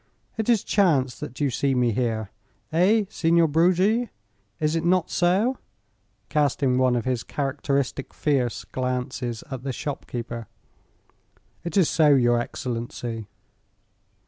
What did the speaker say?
"It is chance that you see me here. Eh, Signor Bruggi, is it not so?" casting one of his characteristic fierce glances at the shopkeeper. "It is so, your excellency."